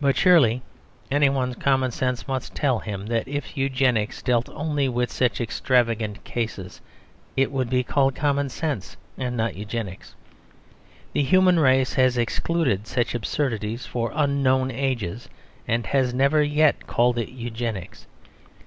But surely anyone's common sense must tell him that if Eugenics dealt only with such extravagant cases, it would be called common sense and not Eugenics. The human race has excluded such absurdities for unknown ages; and has never yet called it Eugenics.